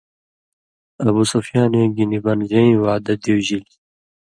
ابُوسُفیانے گی نی بنژَئیں وعدہ دیُوژِلیۡ،